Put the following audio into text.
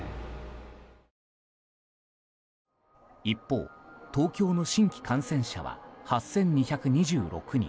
一方、東京の新規感染者は８２２６人。